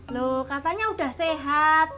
lho katanya udah sehat